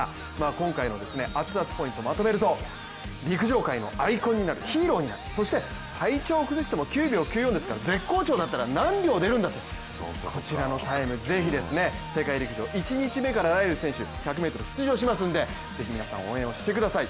今回のアツアツポイントをまとめると陸上界のアイコンになるヒーローになる、そして体調を崩しても９秒９４ですから絶好調だったら何秒出るんだとこちらのタイム、是非世界陸上１日目からライルズ選手あ！